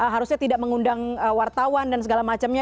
harusnya tidak mengundang wartawan dan segala macamnya